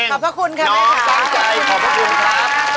น้องสาวใจขอบคุณครับ